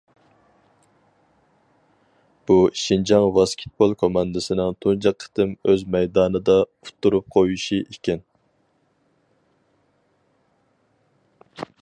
بۇ شىنجاڭ ۋاسكېتبول كوماندىسىنىڭ تۇنجى قېتىم ئۆز مەيدانىدا ئۇتتۇرۇپ قويۇشى ئىكەن.